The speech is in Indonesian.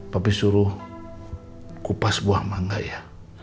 tapi suruh kupas buah mangga ya